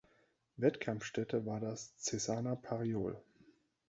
Wettkampfstätte war das Cesana Pariol.